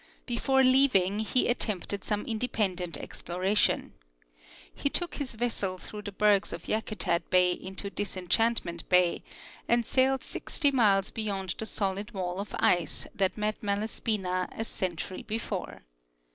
Before leaving he at tempted some independent exploration. He took his vessel through the bergs of Yakutat bay into Disenchantment bay, and sailed 60 miles beyond the solid wall of ice that met Malaspina a century before.